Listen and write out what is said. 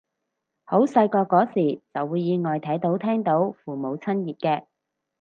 好細個嗰時就會意外睇到聽到父母親熱嘅